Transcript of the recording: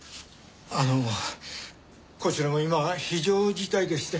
あのこちらも今非常事態でして。